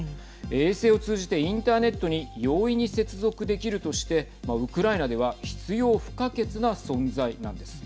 衛星を通じてインターネットに容易に接続できるとしてウクライナでは必要不可欠な存在なんです。